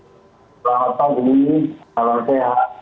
selamat pagi selamat sehat